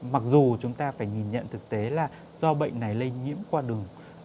mặc dù chúng ta phải nhìn nhận thực tế là do bệnh này lây nhiễm qua đường